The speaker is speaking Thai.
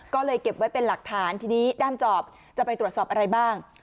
ก็เลยเก็บไว้เป็นหลักฐานทีนี้ด้ามจอบจะไปตรวจสอบอะไรบ้าง